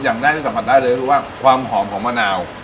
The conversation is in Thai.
อย่างได้คือความหอมของมะนาว